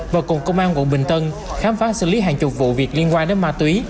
và cùng công an quận bình tân khám phá xử lý hàng chục vụ việc liên quan đến ma túy